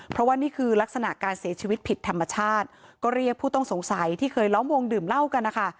เพราะว่านี่คือลักษณะการเสียชีวิตผิดธรรมชาติก็เรียกผู้ต้องสงสัยที่เคยล้อมวงดื่มเหล้ากันนะคะ